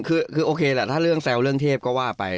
คือโอเคแหละถ้าเรื่องแซวเรื่องเทพก็ว่าไป